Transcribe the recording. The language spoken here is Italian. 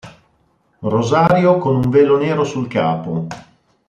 Rosario con un velo nero sul capo.